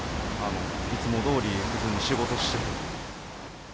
いつもどおり普通に仕事して。